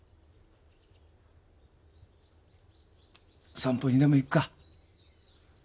散歩にでも行くか？